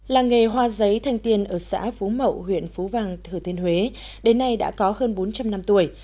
làng nghề hoa giấy thanh tiên ở xã phú mậu huyện phú vàng thừa thiên huế đến nay đã có hơn bốn trăm linh năm tuổi